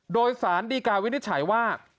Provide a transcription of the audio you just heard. โดยสารดีกาวินิจฉัยว่า